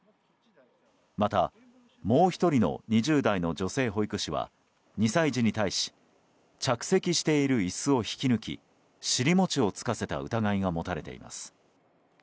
また、もう１人の２０代の女性保育士は２歳児に対し着席している椅子を引き抜き尻もちをつかせた疑いが持たれています。